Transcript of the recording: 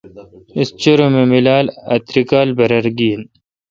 اس چِرم ام میلال ا تری کال برر گین۔